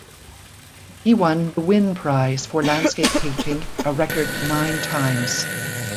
He won the Wynne Prize for landscape painting a record nine times.